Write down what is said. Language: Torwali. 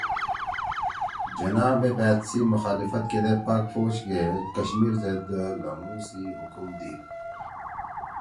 جناح مے بأت سی مخالفت کیدے پاک فوج کے کشمیر زید لھنگُو سی حکم دیِد